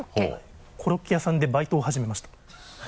コロッケ屋さんでバイトを始めました。